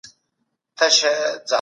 تاسو به د نورو په رازونو پرده اچوئ.